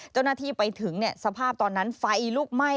เจ้าหน้าที่ไปถึงสภาพตอนนั้นไฟลุกไหม้